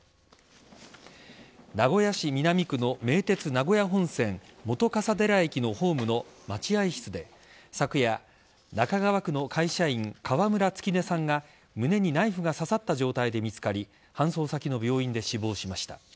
名古屋市南区の名鉄名古屋本線本笠寺駅のホームの待合室で昨夜中川区の会社員・川村月音さんが胸にナイフが刺さった状態で見つかり搬送先の病院で死亡しました。